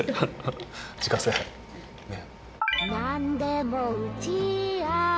自家製ね。